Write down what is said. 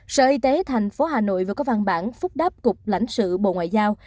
sở y tế tp hà nội vừa có văn bản phúc đáp cục lãnh sự bộ ngoại giao